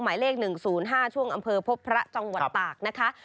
หมายเลข๑๐๕ช่วงอำเภอพบพระจังหวัดตากนะคะ